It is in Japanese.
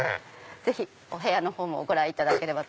ぜひお部屋もご覧いただければ。